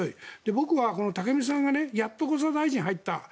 僕はこの武見さんがやっとこさ大臣に入った。